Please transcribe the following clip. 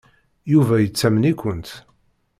Yuba yettamen-ikent.